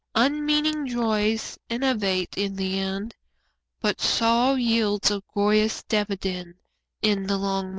Unmeaning joys enervate in the end, But sorrow yields a glorious dividend In the long run.